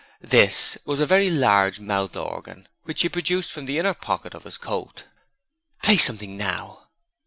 'This' was a large mouth organ which he produced from the inner pocket of his coat. 'Play something now.'